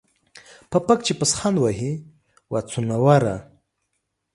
په پک چې پوسخند وهې ، وا څوڼوره.